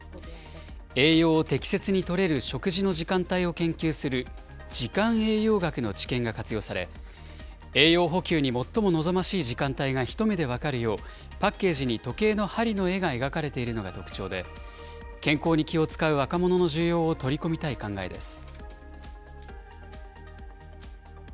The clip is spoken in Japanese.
栄養を適切にとれる食事の時間帯を研究する時間栄養学の知見が活用され、栄養補給に最も望ましい時間帯が一目で分かるよう、パッケージに時計の針の絵が描かれているのが特徴で、健康に気を遣う若者の需要を取り込みたい考えです。